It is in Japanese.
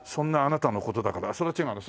それは違うな。